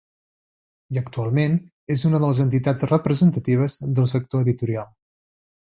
I actualment és una de les entitats representatives del sector editorial.